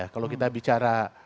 kalau kita bicara